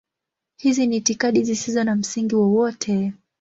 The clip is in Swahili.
Hizi ni itikadi zisizo na msingi wowote.